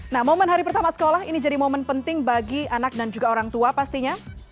nah momen hari pertama sekolah ini jadi momen penting bagi anak dan juga orang tua pastinya